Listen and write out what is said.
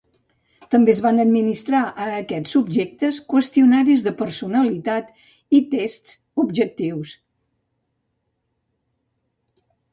També es van administrar a aquests subjectes qüestionaris de personalitat i tests objectius.